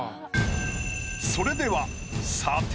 それでは。